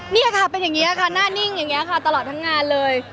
นี่ค่ะเป็นอย่างนี้ค่ะหน้านิ่งอย่างนี้ค่ะตลอดทั้งงานเลย